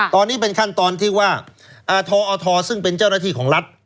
ตอนนี้เป็นขั้นตอนที่ว่าทอทซึ่งเป็นเจ้าหน้าที่ของรัฐ